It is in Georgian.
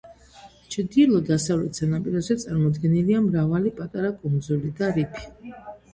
ჩრდილო-დასავლეთ სანაპიროზე წარმოდგენილია მრავალი პატარა კუნძული და რიფი.